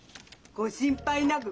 ご心配なく。